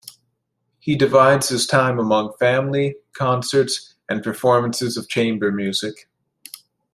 He divides his time among family, concerts, and performances of chamber music.